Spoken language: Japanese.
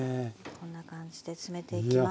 こんな感じで詰めていきます。